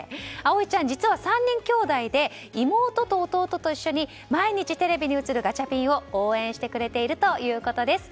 葵ちゃん、実は３人きょうだいで妹と弟と一緒に毎日テレビに映るガチャピンを応援してくれているということです。